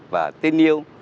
và tin yêu